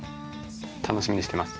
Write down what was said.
楽しみにしてます。